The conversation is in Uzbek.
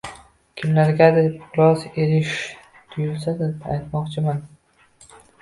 Kimlargadir biroz erish tuyulsa-da, aytmoqchiman